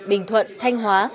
bình thuận thanh hóa